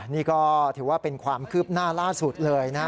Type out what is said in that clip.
นี่ก็ถือว่าเป็นความคืบหน้าล่าสุดเลยนะฮะ